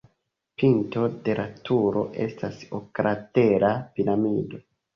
Pinto de la turo estas oklatera piramido.